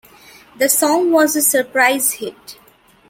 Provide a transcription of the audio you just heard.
The song was a surprise hit.